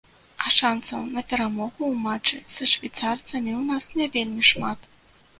А шанцаў на перамогу ў матчы са швейцарцамі ў нас не вельмі шмат.